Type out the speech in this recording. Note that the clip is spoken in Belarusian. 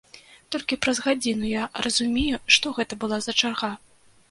Толькі праз гадзіну я разумею, што гэта была за чарга.